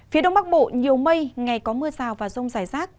phía đông bắc bộ nhiều mây ngày có mưa rào và rông rải rác